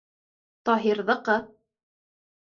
— Таһирҙыҡы!..